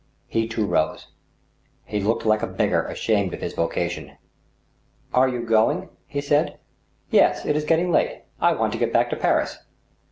He, too, rose. He looked like a beggar ashamed of his vocation. " Are you going? " he said. " Yes ; it is getting late. I want to get back to Paris."